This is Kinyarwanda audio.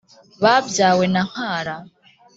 babyawe na nkara,